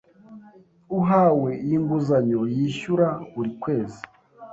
Uhawe iyi nguzanyo yishyura buri kwezi